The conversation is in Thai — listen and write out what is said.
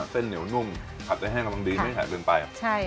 เส้นเหนียวนุ่มกับได้ข้างดีไม่ขายตื่นไป